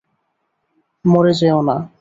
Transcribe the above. মরে যেয়ো না!